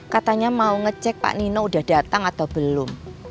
katanya mau ngecek pak nino udah datang atau belum